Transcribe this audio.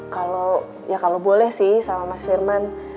kalau ya kalau boleh sih sama mas firman